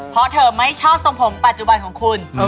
เพราะเธอไม่ชอบทรงผมปัจจุบันของคุณ